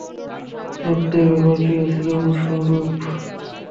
রক্তের ব্যাপারটিও ছিল অনুরূপ।